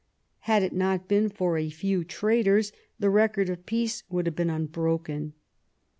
Had it not been for a few traitors, the record of peace would have been unbroken.